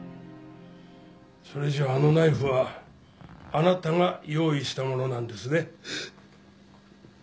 それじゃああのナイフはあなたが用意したものなんですね？